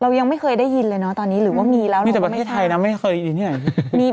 ยังไม่เคยได้ยินเลยเนอะตอนนี้หรือว่ามีแล้วนะมีแต่ประเทศไทยนะไม่เคยได้ยินที่ไหน